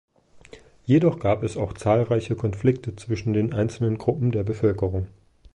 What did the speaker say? Jedoch gab es auch zahlreiche Konflikte zwischen den einzelnen Gruppen der Bevölkerung.